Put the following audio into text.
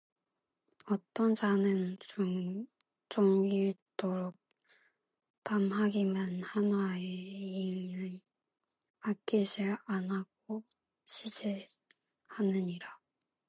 어떤 자는 종일토록 탐하기만 하나 의인은 아끼지 아니하고 시제하느니라